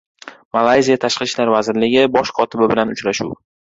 Malayziya Tashqi ishlar vazirligi bosh kotibi bilan uchrashuv